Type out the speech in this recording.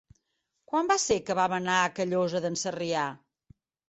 Quan va ser que vam anar a Callosa d'en Sarrià?